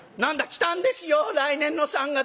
「来たんですよ来年の三月が。